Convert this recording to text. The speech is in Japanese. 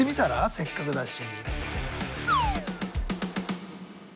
せっかくだし。